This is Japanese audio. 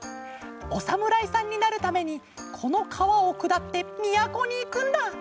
おさむらいさんになるためにこのかわをくだってみやこにいくんだ。